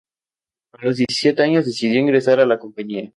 A los diecisiete años decidió ingresar a la compañía.